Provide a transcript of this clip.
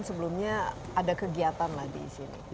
sebelumnya ada kegiatan lah di sini